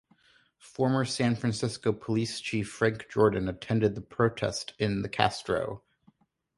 Former San Francisco police chief Frank Jordan attended the protest in the Castro.